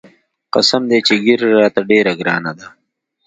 قسم دى چې ږيره راته ډېره ګرانه ده.